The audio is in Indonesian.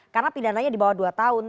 karena pidananya di bawah dua tahun